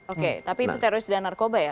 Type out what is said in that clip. oke tapi itu teroris dan narkoba ya